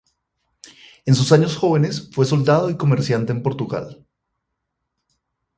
En sus años jóvenes, fue soldado y comerciante en Portugal.